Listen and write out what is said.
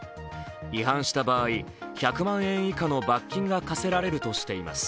違反した場合、１００万円以下の罰金が科せられるとしています。